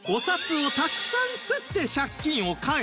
お札をたくさん刷って借金を返す